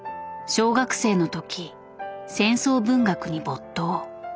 小学生の時戦争文学に没頭。